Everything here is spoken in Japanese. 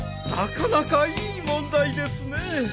なかなかいい問題ですね。